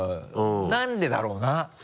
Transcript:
何でだろうな？